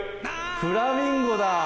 フラミンゴだ。